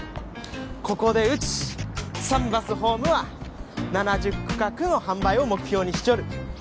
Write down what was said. ここでうちサンバスホームは７０区画の販売を目標にしちょる。